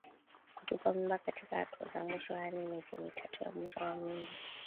Kutupa mimba katika hatua za mwisho yaani miezi mitatu ya mwisho wa mimba